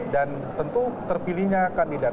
dan tentu terpilihnya kandidat